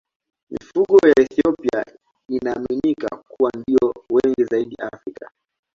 Mifugo ya Ethiopia inaaminika kuwa ndiyo wengi zaidi Afrika.